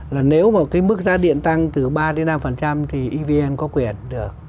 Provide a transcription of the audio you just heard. là nếu mà cái mức giá điện tăng từ ba đến năm thì evn có quyền được